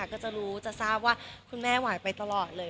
ก็จะรู้จะทราบว่าคุณแม่ไหวไปตลอดเลย